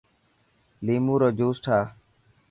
ليمون رو جوس ٺاهه.